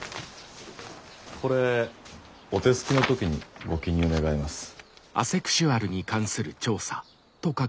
これお手すきの時にご記入願います。